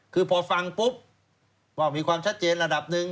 คือพอฟังปุ๊บว่ามีความชัดเจนระดับหนึ่ง